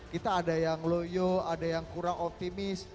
kita ada yang loyo ada yang kurang optimis